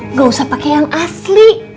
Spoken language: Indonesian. nggak usah pakai yang asli